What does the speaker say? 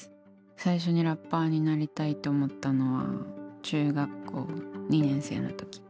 最初にラッパーになりたいって思ったのは中学校２年生の時。